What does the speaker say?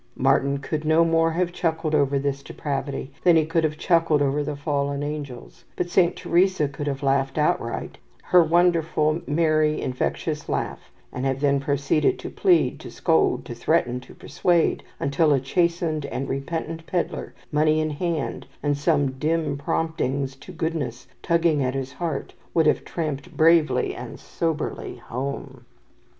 Martyn could no more have chuckled over this depravity than he could have chuckled over the fallen angels; but Saint Teresa could have laughed outright, her wonderful, merry, infectious laugh; and have then proceeded to plead, to scold, to threaten, to persuade, until a chastened and repentant pedlar, money in hand, and some dim promptings to goodness tugging at his heart, would have tramped bravely and soberly home.